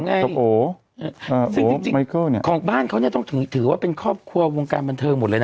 ซึ่งจริงของบ้านเขาเนี่ยต้องถือว่าเป็นครอบครัววงการบันเทิงหมดเลยนะ